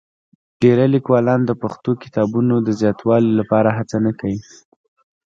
ډېری لیکوالان د پښتو کتابونو د زیاتوالي لپاره هڅه نه کوي.